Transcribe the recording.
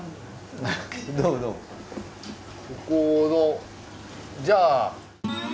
ここのじゃあ。